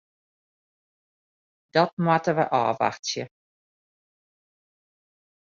Dat moatte we ôfwachtsje.